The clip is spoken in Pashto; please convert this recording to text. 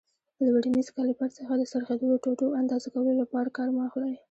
له ورنیز کالیپر څخه د څرخېدلو ټوټو اندازه کولو لپاره کار مه اخلئ.